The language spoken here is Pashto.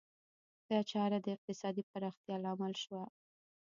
دا چاره د اقتصادي پراختیا لامل شوه.